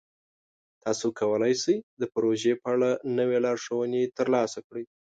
تاسو کولی شئ د پروژې په اړه نوې لارښوونې ترلاسه کړئ.